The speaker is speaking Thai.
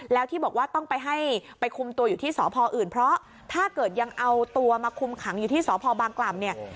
แล้วที่บอกว่าต้องไปให้ไปคุมตัวอยู่ที่สพอื่นเพราะถ้าเกิดยังเอาตัวมาคุมขังอยู่ที่สพบางกล่ำเนี่ย